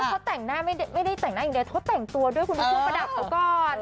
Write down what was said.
เขาแต่งหน้าไม่ได้แต่งหน้าอย่างเดียวเขาแต่งตัวด้วยคุณมาช่วยประดับเขาก่อน